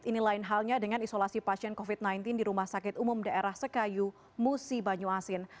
ini lain halnya dengan isolasi pasien covid sembilan belas di rumah sakit umum daerah sekayu musi banyuasin